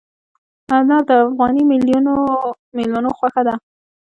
انار د افغاني مېلمنو خوښه ده.